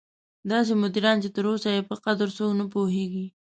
داسې مدیران چې تر اوسه یې په قدر څوک نه پوهېږي.